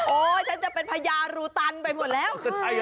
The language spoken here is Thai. ฉันจะเป็นพญารูตันไปหมดแล้ว